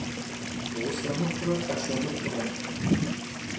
Ğuse mıxhure 'eşe mıxhure.